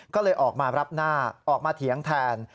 ก็เลยออกมารับหน้าออกมาเถียงแทน